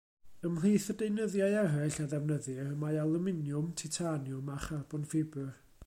Ymhlith y deunyddiau eraill a ddefnyddir y mae alwminiwm, titaniwm a charbon ffibr.